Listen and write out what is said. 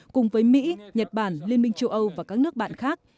cùng với mỹ nhật bản liên minh châu âu và các nước bạn khác